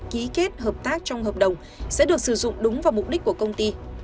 ký kết hợp tác trong hợp đồng sẽ được sử dụng đúng vào mục đích của công ty